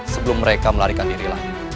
sebelum mereka melarikan diri lagi